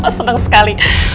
wah seneng sekali